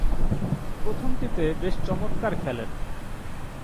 প্রথমটিতে বেশ চমৎকার খেলেন।